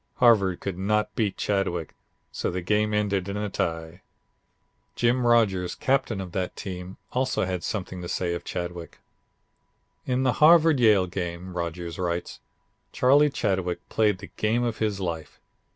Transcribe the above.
Harvard could not beat Chadwick, so the game ended in a tie." Jim Rodgers, captain of that team, also has something to say of Chadwick. "In the Harvard Yale game," Rodgers writes, "Charlie Chadwick played the game of his life.